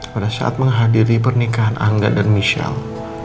pada saat menghadiri pernikahan angga dan michelle